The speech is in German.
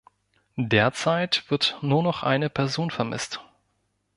Derzeit wird nur noch eine Person vermisst.